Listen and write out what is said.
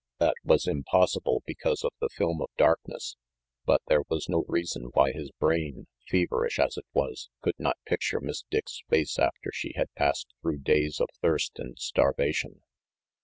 That was impossible, because of the film of darkness but there was no reason why his brain, feverish as it was, could not picture Miss Dick's face after she had passed through days of thirst and starvation.